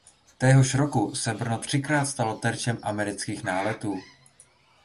Téhož roku se Brno třikrát stalo terčem amerických náletů.